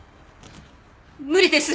無理です。